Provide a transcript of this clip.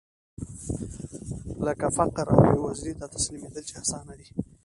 لکه فقر او بېوزلۍ ته تسليمېدل چې اسانه دي.